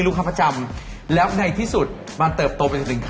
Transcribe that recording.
ก็เริ่มเติบโต